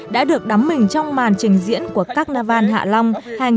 đã được đắm mình trong màn trình diễn của carnival hạ long hai nghìn một mươi chín